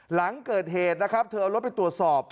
หลังเกิดเหตุนะครับเธอเอารถไปตรวจสอบ